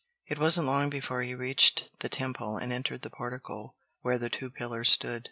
It wasn't long before he reached the Temple and entered the portico where the two pillars stood.